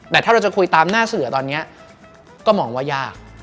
แต่ถ้าเราจะคุยตามหน้าเสือตอนนี้ก็มองว่ายาก